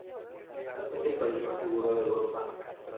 Es el país más seguro de Europa.